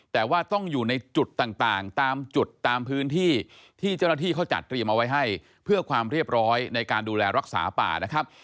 แต่ว่าต้องอยู่ในจุดต่างตามจุดตามพื้นที่ที่เจ้าหน้าที่เขาจัดเตรียมเอาไว้ให้เพื่อความเรียบร้อยในการดูแลรักษาป่านะครับ